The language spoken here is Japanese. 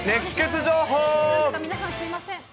なんか皆さん、すみません。